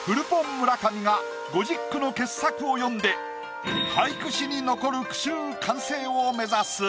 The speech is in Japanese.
村上が５０句の傑作を詠んで俳句史に残る句集完成を目指す。